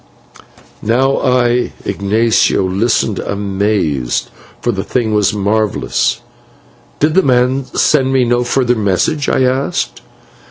Now I, Ignatio, listened amazed, for the thing was marvellous. "Did the man send me no further message?" I asked.